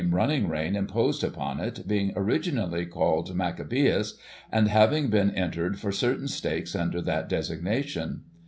Running Rein, imposed upon it, being originally called Maccabeus, and having been entered for certain stakes under that designation.